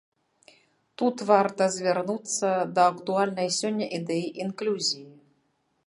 Тут варта звярнуцца да актуальнай сёння ідэі інклюзіі.